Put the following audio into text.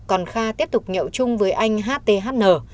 còn kha tiếp tục nhậu chung với anh hthn